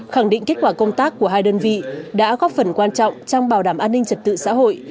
khẳng định kết quả công tác của hai đơn vị đã góp phần quan trọng trong bảo đảm an ninh trật tự xã hội